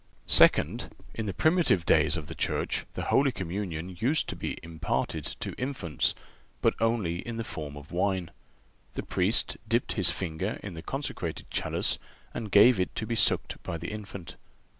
Second—In the primitive days of the Church the Holy Communion used to be imparted to infants, but only in the form of wine. The Priest dipped his finger in the consecrated chalice and gave it to be sucked by the infant.